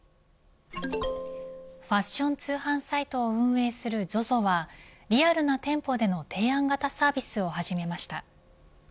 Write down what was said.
ファッション通販サイトを運営するＺＯＺＯはリアルな店舗での提案型サービスを始めました。